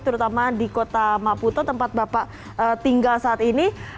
terutama di kota maputo tempat bapak tinggal saat ini